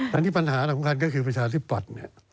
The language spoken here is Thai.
แต่นี่ปัญหาของเขาก็คือประชาชนีปรรด